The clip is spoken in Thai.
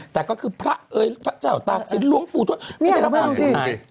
แต่ก็คือพระเอ๋พระเจ้าตักศิลป์รุงปู่ทวชไม่ได้รับอาจรู้ไง